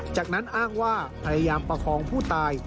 จากนั้นอ้างว่าพยายามประคองผู้ตาย